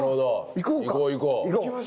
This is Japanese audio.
行こう。